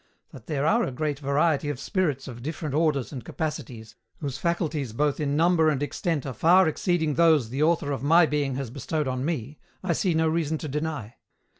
That there are a great variety of spirits of different orders and capacities, whose faculties both in number and extent are far exceeding those the Author of my being has bestowed on me, I see no reason to deny.